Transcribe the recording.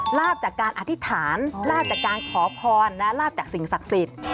ลาบจากการอธิษฐานลาบจากการขอพรและลาบจากสิ่งศักดิ์สิทธิ์